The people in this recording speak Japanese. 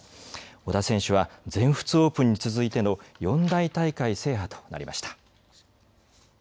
小田選手は全仏オープンに続いての四大大会制覇となりました。